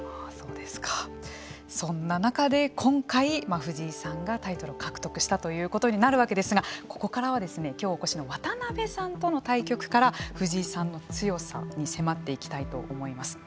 そんな中で、今回藤井さんがタイトルを獲得したということになるわけですがここからはですね今日お越しの渡辺さんとの対局から藤井さんの強さに迫っていきたいと思います。